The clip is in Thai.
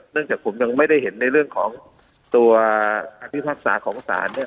จากผมยังไม่ได้เห็นในเรื่องของตัวคำพิพากษาของศาลเนี่ย